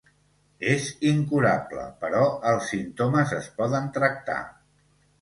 És incurable però els símptomes es poden tractar.